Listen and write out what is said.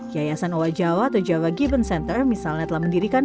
yayasan owa jawa atau jawa given center misalnya telah mendirikan